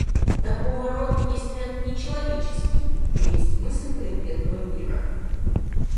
Такого рода есть ряд нечеловеческий и есть мысль предметного мира.